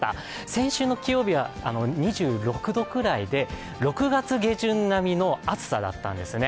先週の金曜日は２６度くらいで、６月下旬並みの暑さだったんですね